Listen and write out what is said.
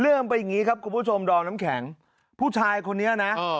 มันเป็นอย่างงี้ครับคุณผู้ชมดอมน้ำแข็งผู้ชายคนนี้นะเออ